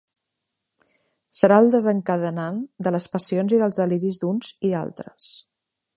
Serà el desencadenant de les passions i dels deliris d'uns i altres.